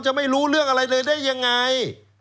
ไม่รู้เรื่องอะไรเลยได้ยังไง